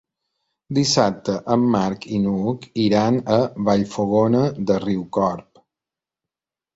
Dissabte en Marc i n'Hug iran a Vallfogona de Riucorb.